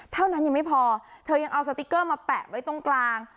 เท่านั้นยังไม่พอเธอยังเอาสติ๊กเกอร์มาแปะไว้ตรงกลาง